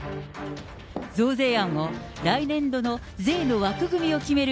増税案を来年度の税の枠組みを決める